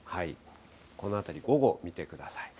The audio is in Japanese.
この辺り、午後、見てください。